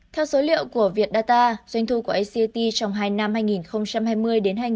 theo số liệu của vietdata doanh thu của acat trong hai năm hai nghìn hai mươi đến hai nghìn hai mươi một